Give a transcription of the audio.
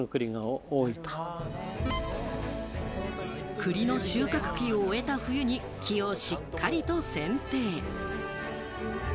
栗の収穫期を終えた冬に木をしっかりとせん定。